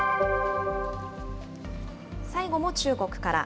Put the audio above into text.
最後も中国から。